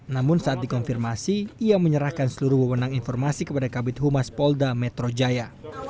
namun saat dikonfirmasi ia menyerahkan seluruh wewenang informasi kepada kabit humas polda metro jaya